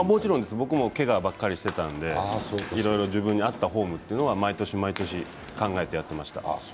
僕もけがばっかりしてたんでいろいろ自分の合ったフォームは毎年毎年考えてやっていました。